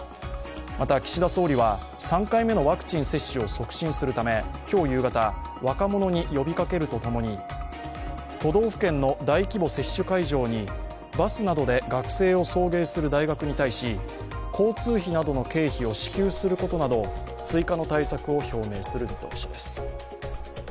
また岸田総理は、３回目のワクチン接種を促進するため、今日夕方、若者に呼びかけるとともに都道府県の大規模接種会場にバスなどで学生を送迎する大学に対し交通費などの経費を支給することなど、追加の対策を表明する見通しです。